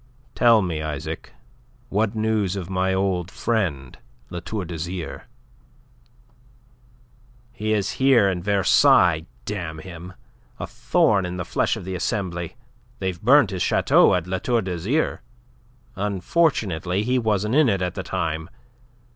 Tell me, Isaac, what news of my old friend, La Tour d'Azyr?" "He is here in Versailles, damn him a thorn in the flesh of the Assembly. They've burnt his chateau at La Tour d'Azyr. Unfortunately he wasn't in it at the time.